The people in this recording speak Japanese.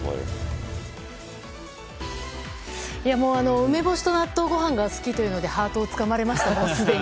梅干しと納豆ご飯が好きというのですでにハートをつかまれましたね。